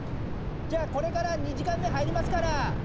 じゃあこれから２時間目はいりますから！